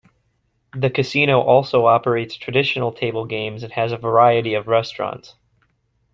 The casino also operates traditional table games and has a variety of restaurants.